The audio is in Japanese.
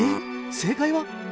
正解は？